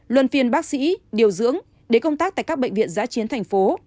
luân phiên bác sĩ điều dưỡng đến công tác tại các bệnh viện giã chiến thành phố